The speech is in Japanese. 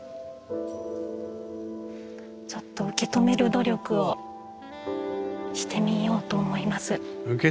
ちょっと受け止める努力をしてみようと思います。